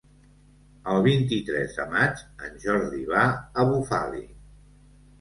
El vint-i-tres de maig en Jordi va a Bufali.